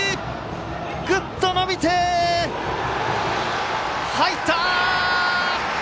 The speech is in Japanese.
ぐっと伸びて入った！